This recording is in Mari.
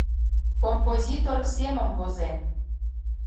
Композитор семым возен.